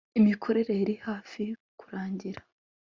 Imikorere yari hafi kurangira